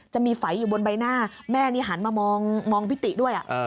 จะมีไฝอยู่บนใบหน้าแม่นี่หันมามองพิติด้วย